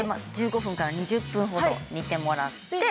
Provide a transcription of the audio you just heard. １５分から２０分ほど煮ていただいて。